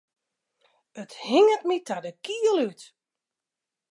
It hinget my ta de kiel út.